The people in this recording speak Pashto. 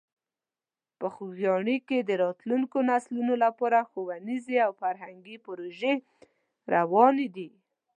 په خوږیاڼي کې د راتلونکو نسلونو لپاره ښوونیزې او فرهنګي پروژې روانې دي.